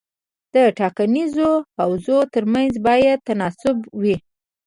د ټاکنیزو حوزو ترمنځ باید تناسب وي.